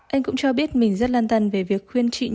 anh cũng cho biết mình rất lan tân về việc khuyên trị nhung